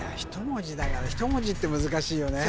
１文字だから１文字って難しいよね